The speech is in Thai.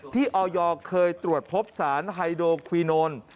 ที่ออยอร์เคยตรวจพบสารไฮโดควีโนล